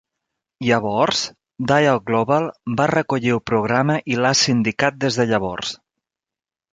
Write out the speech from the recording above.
Llavors, Dial Global va recollir el programa i l'ha sindicat des de llavors.